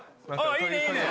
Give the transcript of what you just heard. いいね、いいね！